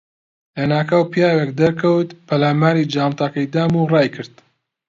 لەناکاو پیاوێک دەرکەوت، پەلاماری جانتاکەی دام و ڕایکرد.